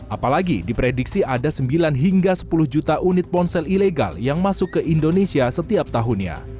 apalagi diprediksi ada sembilan hingga sepuluh juta unit ponsel ilegal yang masuk ke indonesia setiap tahunnya